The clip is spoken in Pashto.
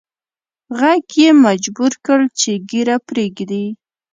ږغ یې مجبور کړ چې ږیره پریږدي